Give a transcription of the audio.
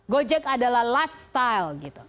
gojek adalah lifestyle